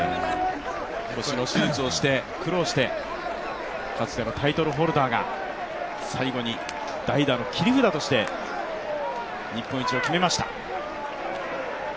腰の手術をして苦労してかつてのタイトルホルダーが最後に代打の切り札として日本一を決めました。